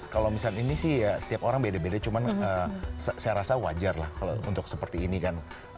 kalau misalnya ini sih ya setiap orang beda beda cuman saya rasa wajar lah kalau untuk seperti ini kan